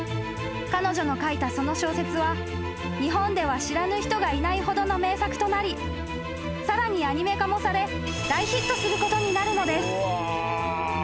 ［彼女の書いたその小説は日本では知らぬ人がいないほどの名作となりさらにアニメ化もされ大ヒットすることになるのです］